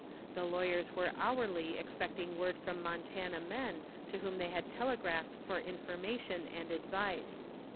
The lawyers were hourly expecting word from Montana men to whom they had telegraphed for information and advice.